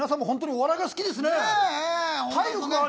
お笑いが好きですね。